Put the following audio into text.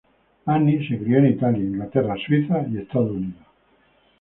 Annie se crio en Italia, Inglaterra, Suiza y Estados Unidos.